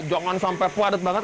jangan sampai puadet banget